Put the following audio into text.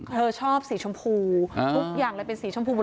เธอชอบสีชมพูทุกอย่างเลยเป็นสีชมพู